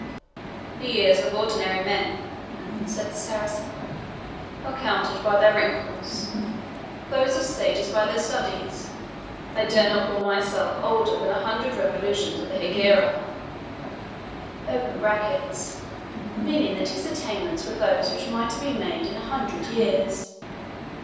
"The years of ordinary men," said the Saracen, "are counted by their wrinkles; those of sages by their studies. I dare not call myself older than a hundred revolutions of the Hegira." [Meaning that his attainments were those which might have been made in a hundred years.